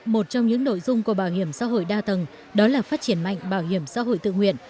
một trong những nội dung của bảo hiểm xã hội đa tầng đó là phát triển mạnh bảo hiểm xã hội tự nguyện